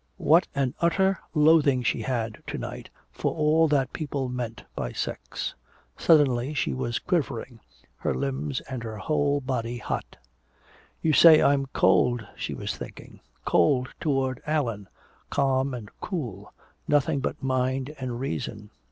What an utter loathing she had to night for all that people meant by sex! Suddenly she was quivering, her limbs and her whole body hot. "You say I'm cold," she was thinking. "Cold toward Allan, calm and cool, nothing but mind and reason!